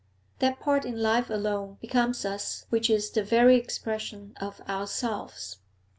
That part in life alone becomes us which is the very expression of ourselves.